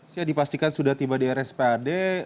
saya dipastikan sudah tiba di rspad